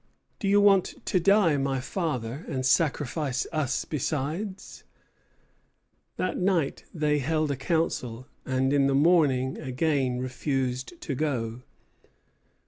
"Do you want to die, my father, and sacrifice us besides?" That night they held a council, and in the morning again refused to go.